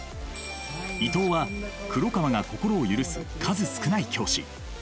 伊藤は黒川が心を許す数少ない教師。